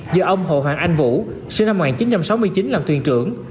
do ông hồ hoàng anh vũ sinh năm một nghìn chín trăm sáu mươi chín làm thuyền trưởng